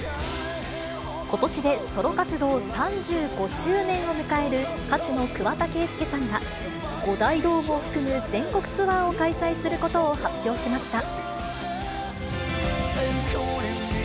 ことしでソロ活動３５周年を迎える歌手の桑田佳祐さんが、５大ドームを含む全国ツアーを開催することを発表しました。